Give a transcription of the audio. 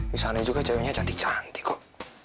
di sana juga ceweknya cantik cantik kok